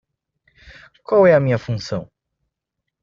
Qual é a minha função?